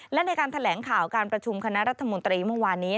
และในการแถลงข่าวการประชุมคณะรัฐมนตรีเมื่อวานนี้